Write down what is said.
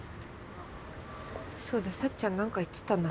そうだ幸ちゃんなんか言ってたな。